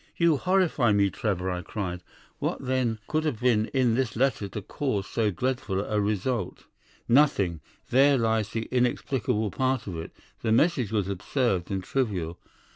"'You horrify me, Trevor!' I cried. 'What then could have been in this letter to cause so dreadful a result?' "'Nothing. There lies the inexplicable part of it. The message was absurd and trivial.